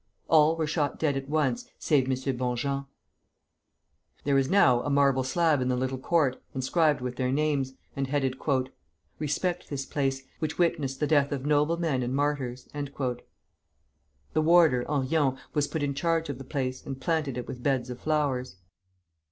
All were shot dead at once, save M. Bonjean. There is now a marble slab in the little court inscribed with their names, and headed: "Respect this place, which witnessed the death of noble men and martyrs." The warder, Henrion, was put in charge of the place, and planted it with beds of flowers.